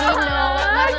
ini ga baik